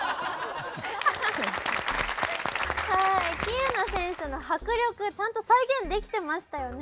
はい喜友名選手の迫力ちゃんと再現できてましたよね。